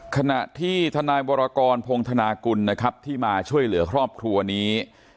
ขณะที่ทนายวรกรพงธนากุลนะครับที่มาช่วยเหลือครอบครัวนี้